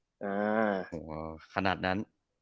โอ้โหขนาดนั้น